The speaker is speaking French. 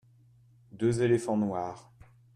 deux éléphants noirs.